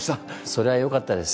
それは良かったです。